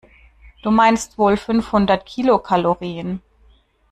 Du meinst wohl fünfhundert Kilokalorien.